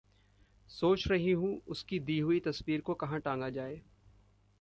सोच रही हूँ उसकी दी हुई तस्वीर को कहाँ टाँगा जाए।